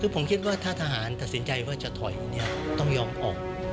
คือผมคิดว่าถ้าทหารตัดสินใจว่าจะถอยต้องยอมออก